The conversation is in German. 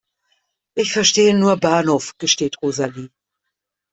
"Ich verstehe nur Bahnhof", gesteht Rosalie.